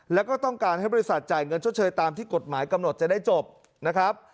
แล้วก็ต้องการให้บริษัทจ่ายเงินชดเชยตามที่กฎหมายกำหนดจะได้จบนะครับ